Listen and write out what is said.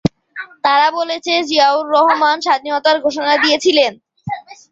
তারা বলেছে জিয়াউর রহমান স্বাধীনতার ঘোষণা দিয়েছিলেন।